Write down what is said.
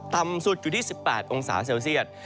ต่ำสุดอยู่ที่๑๘องศาเซลเซียต